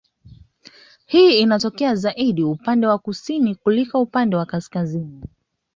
Hii inatokea zaidi upande wa kusini kuliko upande wa kaskazini